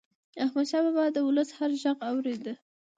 احمدشاه بابا به د ولس هر ږغ اورېده.